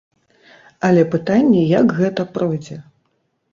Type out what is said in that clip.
Але пытанне, як гэта пройдзе.